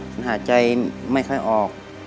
ขาดใจไม่ค่อยออก